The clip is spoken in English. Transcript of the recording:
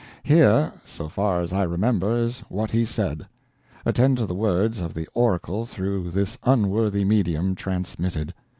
Here, so far as I remember, is what he said. Attend to the words of the oracle through this unworthy medium transmitted.